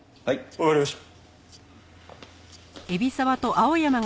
わかりました。